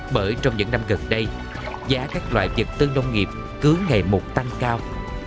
bởi trong những năm gần đây giá các loại vật tư nông nghiệp cứ ngày một tanh cao